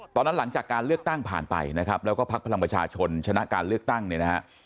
ตอนนั้นหลังจากการเลือกตั้งผ่านไปนะครับแล้วก็ภาคพลังประชาชนชนะการเลือกตั้งในนะครับ